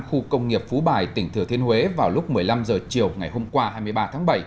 khu công nghiệp phú bài tỉnh thừa thiên huế vào lúc một mươi năm h chiều ngày hôm qua hai mươi ba tháng bảy